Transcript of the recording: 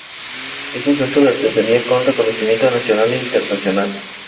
Es un centro de artesanía, con reconocimiento nacional e internacional.